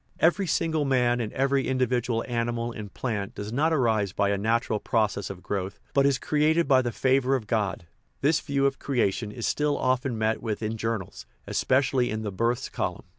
Every single man and 17 237 THE RIDDLE OF THE UNIVERSE every individual animal and plant does not arise by a natural process of growth, but is created by the favor of God. This view of creation is still often met with in journals, especially in the " births" column.